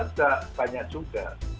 nggak banyak juga